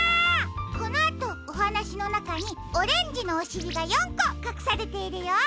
このあとおはなしのなかにオレンジのおしりが４こかくされているよ。